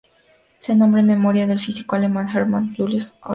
Se nombra en memoria del físico alemán Hermann Julius Oberth.